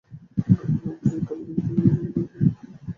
এরফলে ওডিআই দলে নিয়মিতভাবে খেলার যোগ্যতা লাভ করেন।